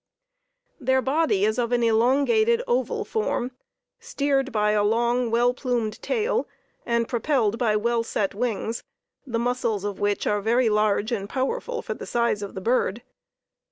Their body is of an elongated oval form, steered by a long, well plumed tail, and propelled by well set wings, the muscles of which are very large and powerful for the size of the bird.